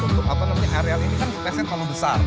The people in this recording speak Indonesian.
tapi kalau untuk apa namanya area ini kan space nya kalau besar